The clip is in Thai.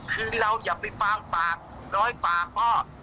คือเราอย่าไปฟางฟางร้อยฟางป่อ